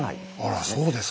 ああらそうですか。